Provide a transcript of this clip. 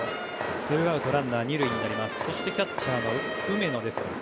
ツーアウトランナー２塁でキャッチャーの梅野。